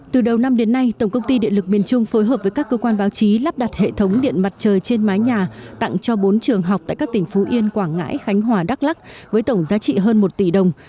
từ đầu năm đến nay tổng công ty điện lực miền trung phối hợp với các cơ quan báo chí lắp đặt hệ thống điện mặt trời trên mái nhà tặng cho bốn trường học tại các tỉnh phú yên quảng ngãi khánh hòa đắk lắc với tổng giá trị hơn một tỷ đồng